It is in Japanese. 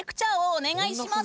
お願いします。